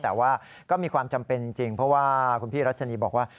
แต่ว่าก็มีความจำเป็นจริงเพราะว่าคุณพี่รัชนีบอกว่า